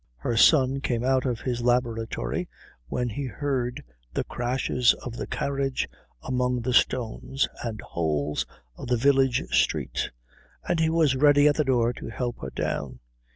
Her son came out of his laboratory when he heard the crashes of the carriage among the stones and holes of the village street, and he was ready at the door to help her down.